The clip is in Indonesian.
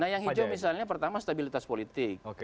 nah yang hijau misalnya pertama stabilitas politik